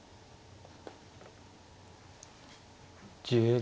１０秒。